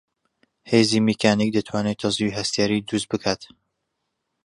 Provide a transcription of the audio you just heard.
هێزی میکانیک دەتوانێت تەزووی هەستیاری دروست بکات